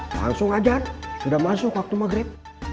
langsung aja sudah masuk waktu maghrib